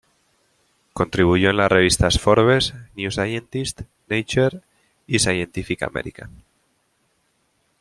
Contribuyó en la revistas Forbes, New Scientist, Nature y Scientific American.